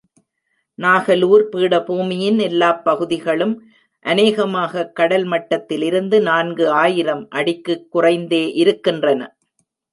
நாகலூர் பீடபூமியின் எல்லாப் பகுதிகளும் அநேகமாகக் கடல் மட்டத்திலிருந்து நான்கு ஆயிரம் அடிக்குக் குறைந்தே இருகின்றன.